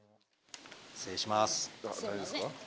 失礼します。